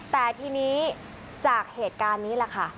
แต่ทีนี้จากเหตุการณ์นี้แหละค่ะ